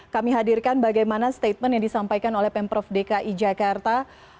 kami hadirkan bagaimana statement yang disampaikan oleh pemprov dki jakarta